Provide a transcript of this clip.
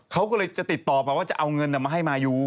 เขาก็เลยจะติดต่อไปว่าจะเอาเงินมาให้มายู